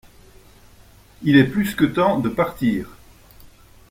Il est plus que temps de partir.